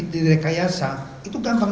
direkayasa itu gampang